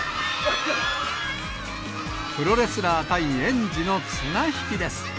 プロレスラー対園児の綱引きです。